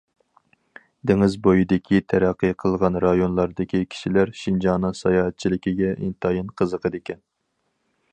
دېڭىز بويىدىكى تەرەققىي قىلغان رايونلاردىكى كىشىلەر شىنجاڭنىڭ ساياھەتچىلىكىگە ئىنتايىن قىزىقىدىكەن.